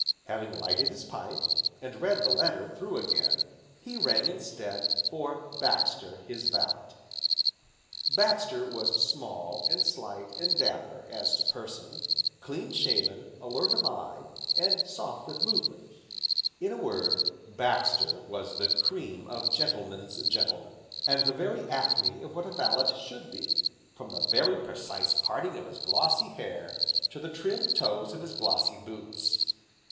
Having lighted his pipe, and read the letter through again, he rang instead for Baxter, his valet. Baxter was small, and slight, and dapper as to person, clean shaven, alert of eye, and soft of movement, in a word, Baxter was the cream of gentlemen's gentlemen, and the very acme of what a valet should be, from the very precise parting of his glossy hair, to the trim toes of his glossy boots.